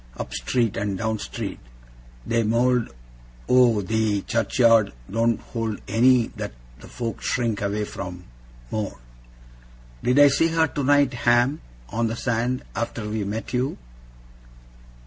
Up street and down street. The mowld o' the churchyard don't hold any that the folk shrink away from, more.' 'Did I see her tonight, Ham, on the sand, after we met you?